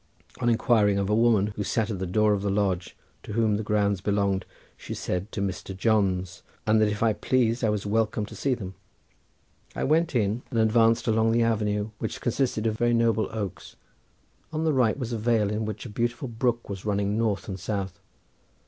On inquiring of a woman who sat at the door of the lodge to whom the grounds belonged, she said to Mr. Johnes, and that if I pleased I was welcome to see them. I went in and advanced along the avenue, which consisted of very noble oaks; on the right was a vale in which a beautiful brook was running north and south.